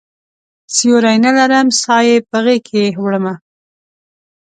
سیوری نه لرم سایې په غیږکې وړمه